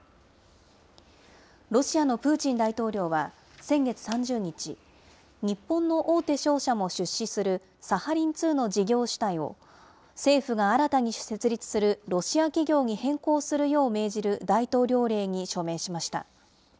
ロシアのプーチン大統領は先月３０日、日本の大手商社も出資するサハリン２の事業主体を、政府が新たに設立するロシア企業に変更するよう命じる大統領令に署名しました。